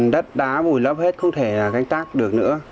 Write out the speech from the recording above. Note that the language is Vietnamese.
đất đá vùi lấp hết không thể canh tác được nữa